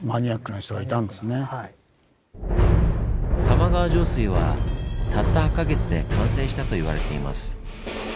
玉川上水はたった８か月で完成したと言われています。